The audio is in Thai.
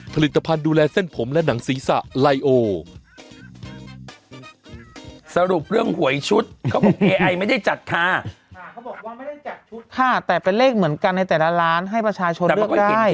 ผลิตภัณฑ์ดูแลเส้นผมและหนังศีรษะไลโอสรุปเรื่องหวยชุดไม่ได้จัดค่าแต่เป็นเลขเหมือนกันในแต่ละร้านให้ประชาชนได้